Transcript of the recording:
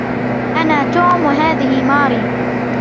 أنا توم وهذه ماري.